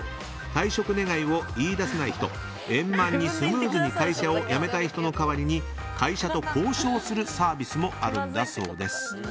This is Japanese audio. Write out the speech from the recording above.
退職願を言い出せない人円満にスムーズに会社を辞めたい人の代わりに会社と交渉するサービスもあるんだそうです。